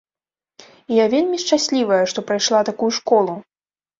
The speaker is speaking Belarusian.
І я вельмі шчаслівая, што прайшла такую школу.